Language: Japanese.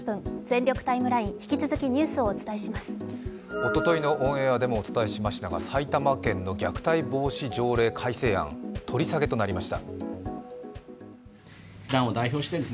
おとといのオンエアでもお伝えしましたが埼玉県の虐待防止条例案、取り下げとなりました。